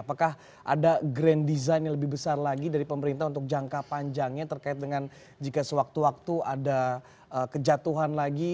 apakah ada grand design yang lebih besar lagi dari pemerintah untuk jangka panjangnya terkait dengan jika sewaktu waktu ada kejatuhan lagi